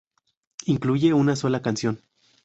Incluye una sola canción.